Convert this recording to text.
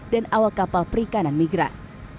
dan awal kapal perikanan migran